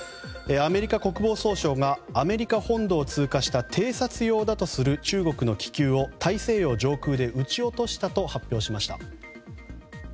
アメリカ国防総省がアメリカ本土を通過した偵察用だとする中国の気球を大西洋上空で撃ち落としたと発表しました。